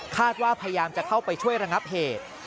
ว่าพยายามจะเข้าไปช่วยระงับเหตุ